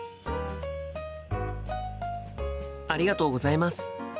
ありがとうございます。